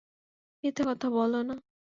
মিথ্যা কথা বলো না।